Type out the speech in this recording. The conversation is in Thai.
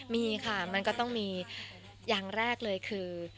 มีค่ะมันก็ต้องมีอย่างแรกเลยคือ